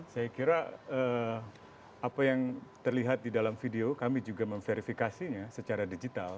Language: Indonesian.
saya kira apa yang terlihat di dalam video kami juga memverifikasinya secara digital